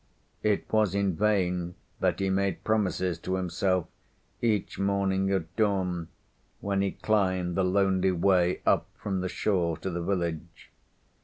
It was in vain that he made promises to himself each morning at dawn when he climbed the lonely way up from the shore to the village.